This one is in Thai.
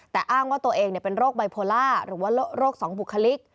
แต่อ้างว่าตัวเองเป็นโรคไบโพล่าหรือว่าโรคสองบุคลิก